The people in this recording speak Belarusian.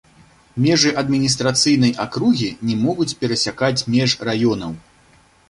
Межы адміністрацыйнай акругі не могуць перасякаць меж раёнаў.